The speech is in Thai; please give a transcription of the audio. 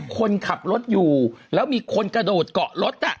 คนขับรถอยู่แล้วมีคนกระโดดเกาะรถ